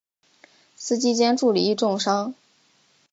司机兼助理亦重伤。